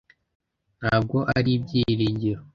ntabwo ari ibyiringiro